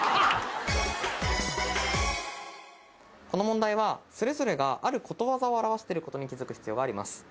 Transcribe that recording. この問題はそれぞれがあることわざを表してることに気付く必要があります。